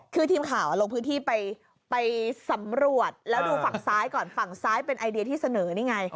คือทีมข่าวลงพื้นที่ไปสำรวจแล้วดูฝั่งซ้ายก่อนฝั่งซ้ายเป็นไอเดียที่เสนอนี่ไง